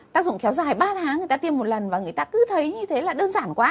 tác dụng kéo dài ba tháng người ta tiêm một lần và người ta cứ thấy như thế là đơn giản quá